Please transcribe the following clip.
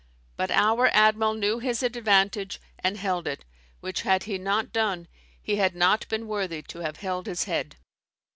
But our admiral knew his advantage, and held it: which had he not done, he had not been worthy to have held his head."